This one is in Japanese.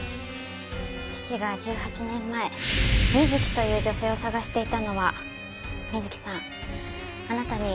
父が１８年前ミズキという女性を捜していたのは瑞希さんあなたに白田朱音さん